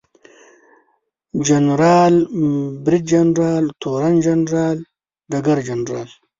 جنرال، بریدجنرال، تورن جنرال ، ډګرجنرال